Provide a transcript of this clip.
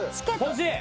欲しい。